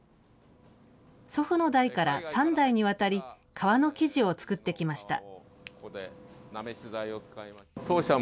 祖父の代から３代にわたり、革の生地を作ってきました。